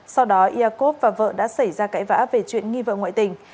sau đó iakov và vợ đã xảy ra cãi vã về chuyện nghi vợ ngoại tình